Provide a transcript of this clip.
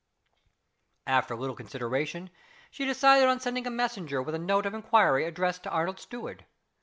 After a little consideration she decided on sending a messenger with a note of inquiry addressed to Arnold's steward.